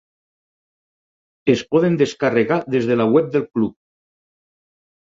Es poden descarregar des de la web del club.